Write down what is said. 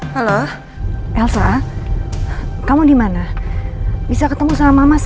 ternyata dia mau ketemu sama mandin